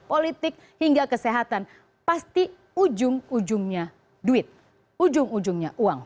politik hingga kesehatan pasti ujung ujungnya duit ujung ujungnya uang